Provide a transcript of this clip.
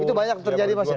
itu banyak terjadi mas ya